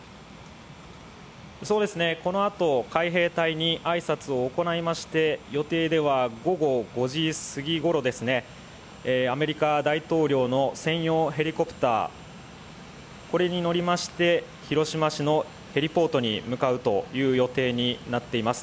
このあと、海兵隊に挨拶を行いまして、予定では午後５時すぎごろ、アメリカ大統領の専用ヘリコプター、これに乗りまして広島市のヘリポートに向かう予定になっています。